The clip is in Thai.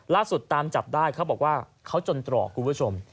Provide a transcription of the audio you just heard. ตามจับได้เขาบอกว่าเขาจนตรอกคุณผู้ชม